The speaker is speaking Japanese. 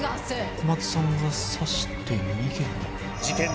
小松さんが刺して逃げた？